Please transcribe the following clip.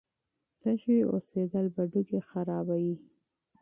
تږی پاتې کېدل ګردې خرابوي.